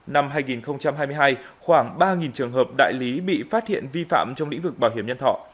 năm hai nghìn hai mươi hai khoảng ba trường hợp đại lý bị phát hiện vi phạm trong lĩnh vực bảo hiểm nhân thọ